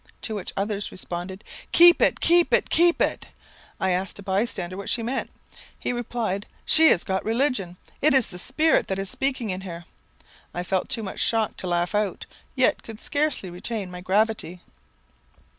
To which others responded 'Keep it! keep it! keep it!' I asked a bystander what she meant. He replied, 'she has got religion. It is the Spirit that is speaking in her.' I felt too much shocked to laugh out, yet could scarcely retain my gravity.